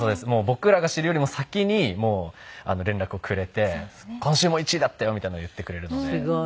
僕らが知るよりも先に連絡をくれて「今週も１位だったよ」みたいなのを言ってくれるので。